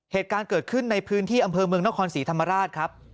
เหตุการณ์เกิดขึ้นในพื้นที่อำเภอเมืองนครศรีธรรมราชครับ